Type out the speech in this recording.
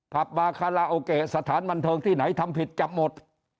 บาคาราโอเกะสถานบันเทิงที่ไหนทำผิดจับหมด